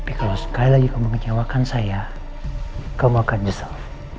tapi kalau sekali lagi kamu ngecewakan saya kamu akan jesel